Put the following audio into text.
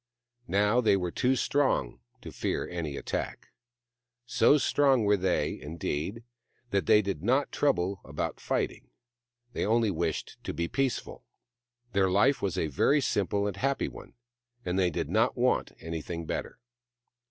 Now they were too strong to fear any attack. So strong were they, indeed, that they did not trouble about fight ing, but only wished to be peaceful. Their life was a very simple and happy one, and they did not want anything better.